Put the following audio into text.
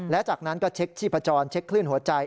และจากนั้นก็เช็คชีพจรเช็คคลื่นหัวใจ